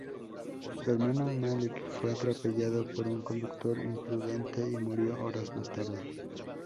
Su hermano Malik fue atropellado por un conductor imprudente y murió horas más tarde.